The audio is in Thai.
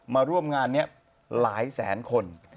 มาร่วมงานนี้หลายแสนคน